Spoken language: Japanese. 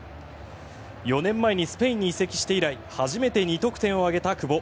４年前にスペインに移籍して以来初めて２得点を挙げた久保。